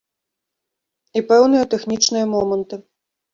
І пэўныя тэхнічныя моманты.